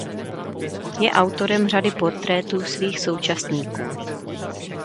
Je autorem řady portrétů svých současníků.